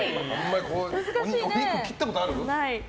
お肉切ったことある？